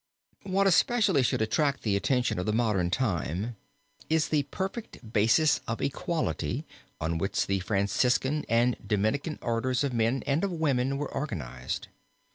What especially should attract the attention of the modern time is the perfect basis of equality on which the Franciscan and Dominican orders of men and of women were organized.